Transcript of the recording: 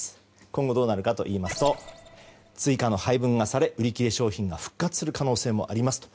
今後どうなるかといいますと追加の配分がされ売り切れ商品が復活する可能性もありますと。